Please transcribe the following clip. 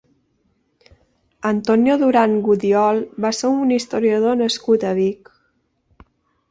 Antonio Durán Gudiol va ser un historiador nascut a Vic.